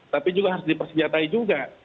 tapi juga harus dipersenjatai juga